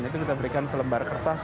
itu kita berikan selembar kertas